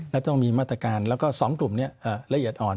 และต้องมีมาตรการแล้วก็๒กลุ่มนี้ละเอียดอ่อน